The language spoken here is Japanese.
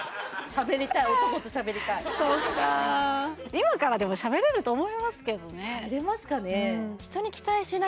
今からでもしゃべれると思いますけどねしゃべれますかね？